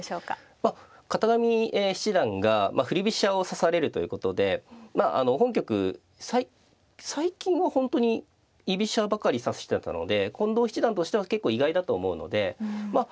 まあ片上七段が振り飛車を指されるということでまあ本局最近は本当に居飛車ばかり指してたので近藤七段としては結構意外だと思うのでまあ